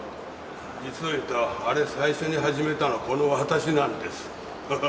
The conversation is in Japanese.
実を言うとあれ最初に始めたのこの私なんです